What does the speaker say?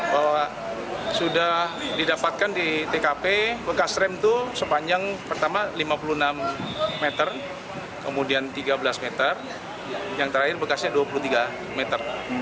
bahwa sudah didapatkan di tkp bekas rem itu sepanjang pertama lima puluh enam meter kemudian tiga belas meter yang terakhir bekasnya dua puluh tiga meter